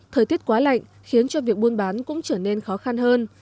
thời tiết quá lạnh khiến cho việc buôn bán cũng trở nên khó khăn hơn